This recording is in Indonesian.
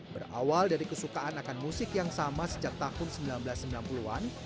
berawal dari kesukaan akan musik yang sama sejak tahun seribu sembilan ratus sembilan puluh an